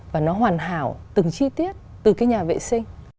và nó hoàn hảo từng chi tiết từ cái nhà vệ sinh